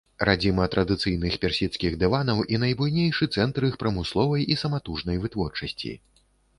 Радзіма традыцыйных персідскіх дыванаў і найбуйнейшы цэнтр іх прамысловай і саматужнай вытворчасці.